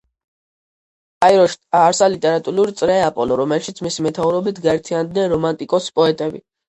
კაიროში დააარსა ლიტერატურული წრე „აპოლო“, რომელშიც მისი მეთაურობით გაერთიანდნენ რომანტიკოსი პოეტები.